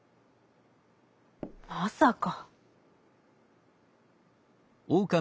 「まさか」。